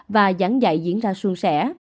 và giảng dạy diễn ra suôn sẻ